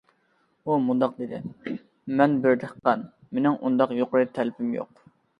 ئۇ مۇنداق دېدى: مەن بىر دېھقان، مېنىڭ ئۇنداق يۇقىرى تەلىپىم يوق.